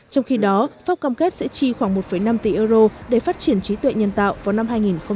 trong khi đó pháp cam kết sẽ chi khoảng một năm tỷ euro để phát triển trí tuệ nhân tạo vào năm hai nghìn hai mươi